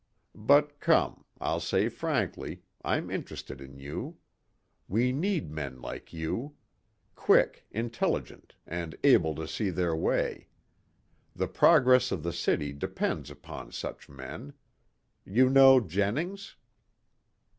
But come, I'll say frankly, I'm interested in you. We need men like you. Quick, intelligent and able to see their way. The progress of the city depends upon such men. You know Jennings?"